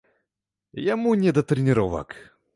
Яму не да трэніровак.